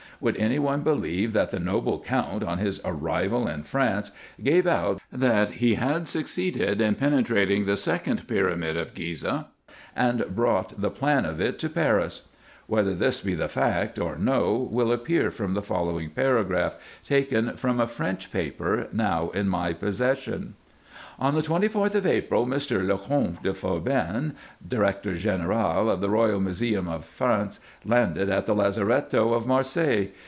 Would any one believe, that the noble Count, on his arrival in France, gave out, that he had succeeded in penetrating the second pyramid of Ghizeh, and brought the plan of it to Paris ? Whether this be the fact or no will appear from the following paragraph, taken from a French paper now in my possession. " On the 24th of April, Mr. Le Comte de Forbin, Director General of the Royal Museum of France, landed at the lazaretto of Marseilles.